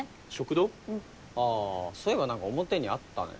あそういえば何か表にあったね。